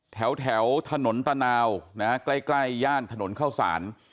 แถวถนนตะนาวใกล้ย่านถนนเข้าสาร